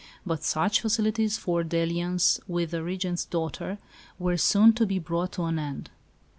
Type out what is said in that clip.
But such facilities for dalliance with the Regent's daughter were soon to be brought to an end.